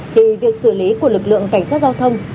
thì việc xử lý của lực lượng cảnh sát giao thông